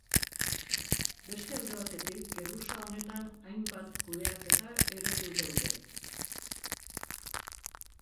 Beste alde batetik, geruza honetan hainbat kudeaketa eredu daude.